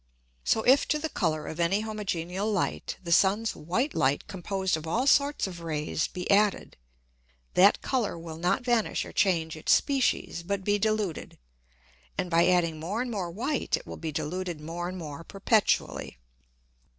So if to the Colour of any homogeneal Light, the Sun's white Light composed of all sorts of Rays be added, that Colour will not vanish or change its Species, but be diluted, and by adding more and more white it will be diluted more and more perpetually.